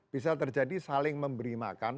bisa terjadi saling memberi makan